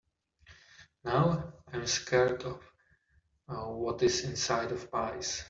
Now, I’m scared of what is inside of pies.